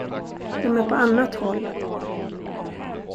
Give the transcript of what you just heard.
De är på annat håll.